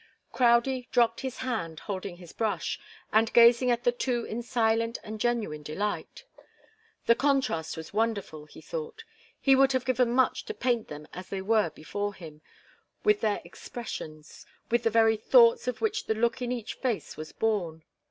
Crowdie dropped his hand, holding his brush, and gazing at the two in silent and genuine delight. The contrast was wonderful, he thought. He would have given much to paint them as they were before him, with their expressions with the very thoughts of which the look in each face was born.